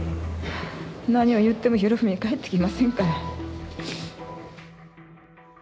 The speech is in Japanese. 何を言っても裕史は帰ってきませんから。